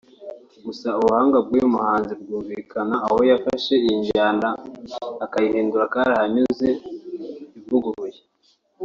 Gusa ubuhanga bw’uyu muhanzi bwumvikana aho yafashe iyi njyana akayihinduramo karahanyuze ivuguruye